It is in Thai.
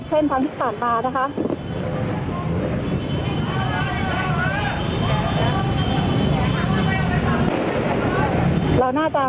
เช่นทั้งต่างหลามนะคะ